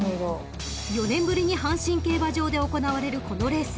［４年ぶりに阪神競馬場で行われるこのレース］